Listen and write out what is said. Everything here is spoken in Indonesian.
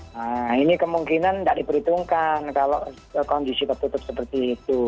nah ini kemungkinan tidak diperhitungkan kalau kondisi tertutup seperti itu